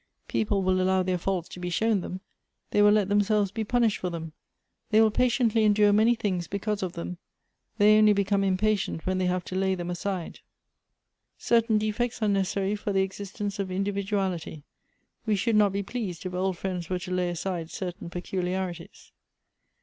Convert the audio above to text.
"" People will allow their faults to be shown them ; they will let themselves be punished for them; they will patiently endure many things because of them ; they only become impatient when they have to lay them aside." " Certain defects are necessary for the existence of indi viduality. We should not be pleased, if old friends were to lay aside certain peculiarities."